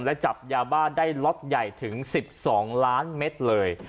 และจับยาบ้าได้ล็อตใหญ่ถึง๑๒ล้านเมตรเลย